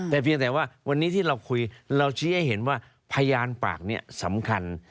แต่เพียงแต่ว่าวันนี้ที่เราคุยเราชี้ให้เห็นว่าพยานปากนี้สำคัญ